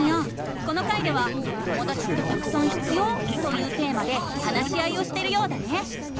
この回では「ともだちってたくさん必要？」というテーマで話し合いをしてるようだね！